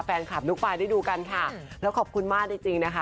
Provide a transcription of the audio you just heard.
แฟนคลับลูกปลายได้ดูกันค่ะแล้วขอบคุณมากจริงจริงนะคะ